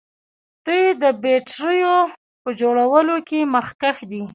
دوی د بیټریو په جوړولو کې مخکښ دي.